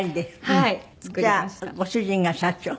じゃあご主人が社長？